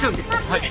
はい。